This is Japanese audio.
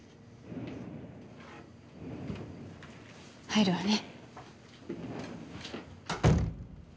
入るわね。